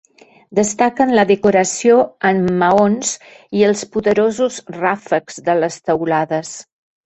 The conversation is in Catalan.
Destaquen la decoració amb maons i els poderosos ràfecs de les teulades.